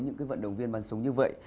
những cái vận động viên văn sống như vậy